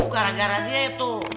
gara gara dia itu